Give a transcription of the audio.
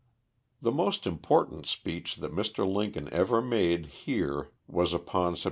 The most important speech that Mr. Lincoln ever made here, was upon Sept.